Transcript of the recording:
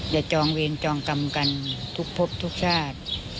จองเวรจองกรรมกันทุกพบทุกชาติ